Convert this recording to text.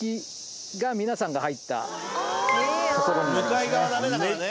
向かい側だねだからね。